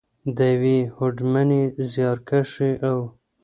، د یوې هوډمنې، زیارکښې او .